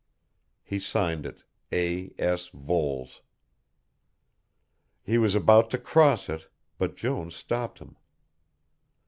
He signed it A. S. Voles. He was about to cross it, but Jones stopped him.